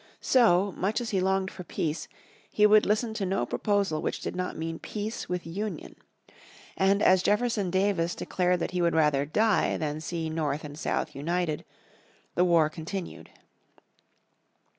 So, much as he longed for peace, he would listen to no proposal which did not mean peace with union. And, as Jefferson Davis declared that he would rather die than see North and South united, the war continued.